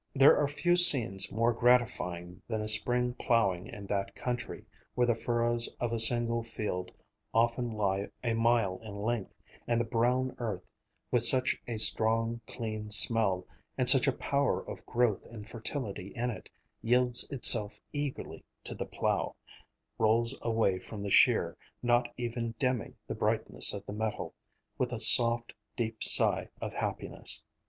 There are few scenes more gratifying than a spring plowing in that country, where the furrows of a single field often lie a mile in length, and the brown earth, with such a strong, clean smell, and such a power of growth and fertility in it, yields itself eagerly to the plow; rolls away from the shear, not even dimming the brightness of the metal, with a soft, deep sigh of happiness.